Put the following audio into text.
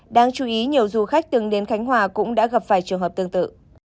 đáng chú ý nhiều du khách từng đến khánh hòa cũng đã gặp phải trường hợp tương tự